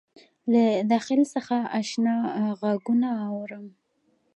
له داخل څخه آشنا غــــــــــږونه اورم